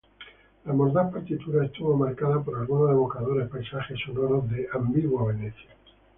La mordaz partitura estuvo marcada por algunos evocadores paisajes sonoros de "ambigua Venecia".